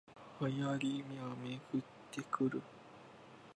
流行りはめぐってくる